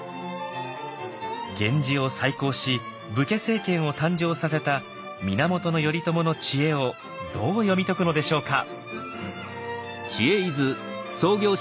源氏を再興し武家政権を誕生させた源頼朝の知恵をどう読み解くのでしょうか。